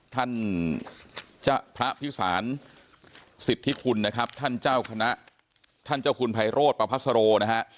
ท่านพระพิสารสิทธิคุณนะครับท่านเจ้าคณะท่านเจ้าคุณไพโรธประพัสโรนะฮะ